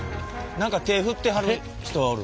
何か手振ってはる人がおる。